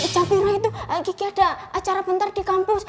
jabir itu gigi ada acara bentar di kampus